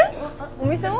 お店は？